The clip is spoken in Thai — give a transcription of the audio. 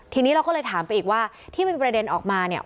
ทีนี้เราก็เลยถามไปอีกว่าที่มันมีประเด็นออกมาเนี่ย